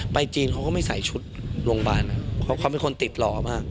จีนเขาก็ไม่ใส่ชุดโรงพยาบาลเขาเป็นคนติดหล่อมาก